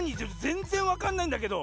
ぜんぜんわかんないんだけど！